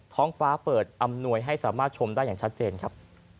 ท้องฟ้าเปิดอำนวยให้สามารถชมได้อย่างชัดเจนครับ